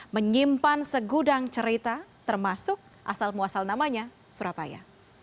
menyimpan segudang cerita termasuk asal muasal namanya surabaya